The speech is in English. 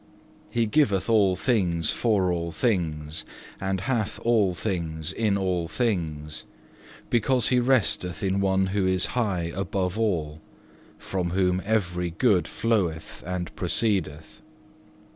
He giveth all things for all things, and hath all things in all things, because he resteth in One who is high above all, from whom every good floweth and proceedeth.